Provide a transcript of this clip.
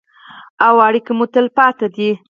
او اړیکې مو تلپاتې دي.